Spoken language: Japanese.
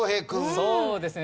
そうですね。